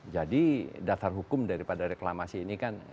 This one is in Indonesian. jadi dasar hukum daripada reklamasi ini kan